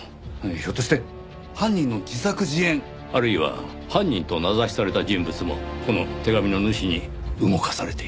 ひょっとして犯人の自作自演？あるいは犯人と名指しされた人物もこの手紙の主に動かされている。